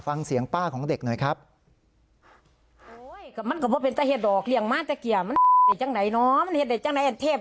ฟังเสียงป้าของเด็กหน่อยครับ